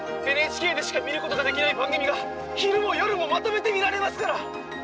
ＮＨＫでしか見ることができない番組が昼も夜もまとめて見られますから！